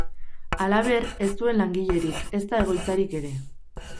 Halaber, ez zuen langilerik, ezta egoitzarik ere.